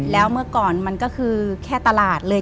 แล้วเมื่อก่อนมันก็คือแค่ตลาดเลย